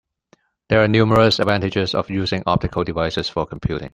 There are numerous advantages of using optical devices for computing.